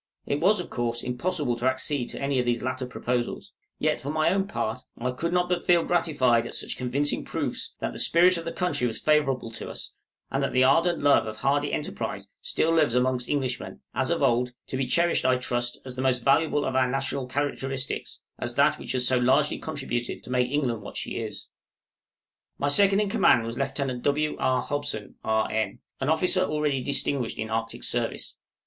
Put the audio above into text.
It was, of course, impossible to accede to any of these latter proposals, yet, for my own part, I could not but feel gratified at such convincing proofs that the spirit of the country was favorable to us, and that the ardent love of hardy enterprise still lives amongst Englishmen, as of old, to be cherished, I trust, as the most valuable of our national characteristics as that which has so largely contributed to make England what she is. {OFFICERS OF THE EXPEDITION.} My second in command was Lieutenant W. R. Hobson, R.N., an officer already distinguished in Arctic service.